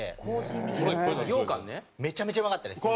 めちゃめちゃうまかったです。